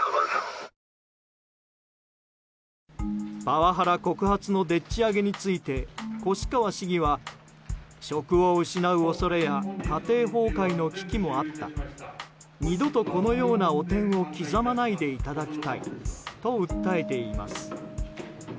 パワハラ告発のでっち上げについて越川市議は職を失う恐れや家庭崩壊の危機もあった二度とこのような汚点を刻まないでいただきたいと訴えています。